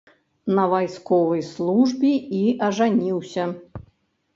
На вайсковай службе і ажаніўся.